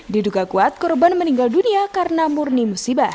diduga kuat korban meninggal dunia karena murni musibah